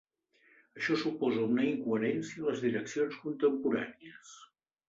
Això suposa una incoherència en les direccions contemporànies.